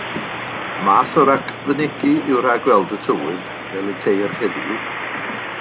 Math o ragfynegi yw rhagweld y tywydd, fel y'i ceir heddiw.